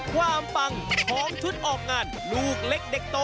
ความปังของชุดออกงานลูกเล็กเด็กโต